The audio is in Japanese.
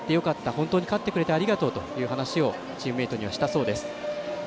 本当に勝ってくれてありがとうという話をチームメートにはしたそうです。